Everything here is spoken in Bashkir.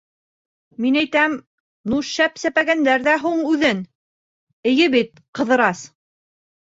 — Мин әйтәм, ну шәп сәпәгәндәр ҙә һуң үҙен, эйе бит, Ҡыҙырас?